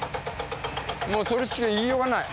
もうそれしか言いようがない。